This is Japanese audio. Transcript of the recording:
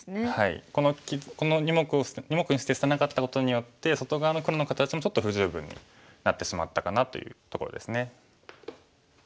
この２目にして捨てなかったことによって外側の黒の形もちょっと不十分になってしまったかなというところですね。